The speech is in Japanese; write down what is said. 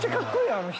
あの人。